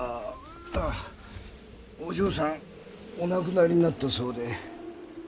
お嬢さんお亡くなりになったそうで。